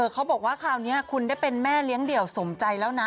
เขาบอกว่าคราวนี้คุณได้เป็นแม่เลี้ยงเดี่ยวสมใจแล้วนะ